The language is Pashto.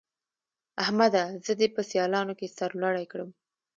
احمده! زه دې په سيالانو کې سر لوړی کړم.